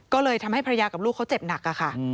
ก็เลยทำให้ภรรยากับลูกเขาเจ็บหนักค่ะ